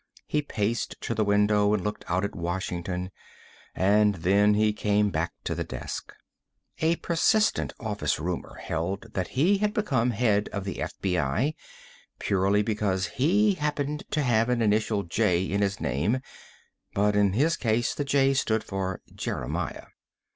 He paced to the window and looked out at Washington, and then he came back to the desk. A persistent office rumor held that he had become head of the FBI purely because he happened to have an initial J in his name, but in his case the J stood for Jeremiah.